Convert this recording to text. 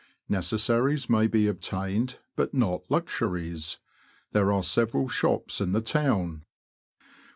Neces saries may be obtained, but not luxuries. There are several shops in the town.